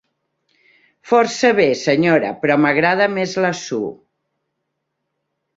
Força bé, senyora; però m'agrada més la Sue.